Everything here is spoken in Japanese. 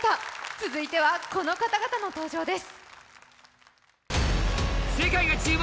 続いては、この方々の登場です。